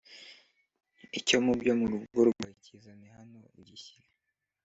icyo mu byo mu rugo rwawe Kizane hano ugishyire